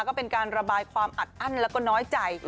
ก็เป็นการระบายความอัดอั้นแล้วก็น้อยใจ